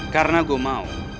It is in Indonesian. karena gue mau